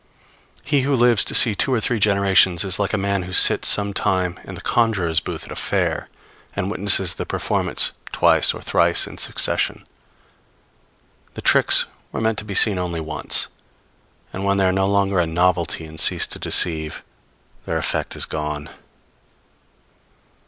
He who lives to see two or three generations is like a man who sits some time in the conjurer's booth at a fair, and witnesses the performance twice or thrice in succession. The tricks were meant to be seen only once; and when they are no longer a novelty and cease to deceive, their effect is gone.